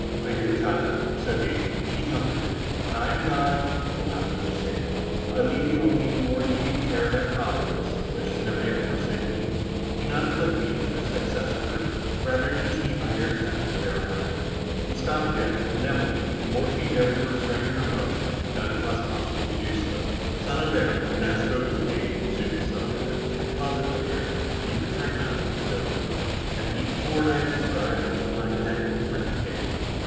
"My dear child," said he, "be comforted. When I am gone, you will not be forsaken—I leave you only in the more immediate care of that Providence, which has never yet forsaken me. Do not afflict me with this excess of grief; rather teach me by your example to bear my own." He stopped again, and Emily, the more she endeavoured to restrain her emotion, found it the less possible to do so. St. Aubert, who now spoke with pain, resumed the subject. "That closet, my dear,—when you return home, go to it; and, beneath the board I have described, you will find a packet of written papers.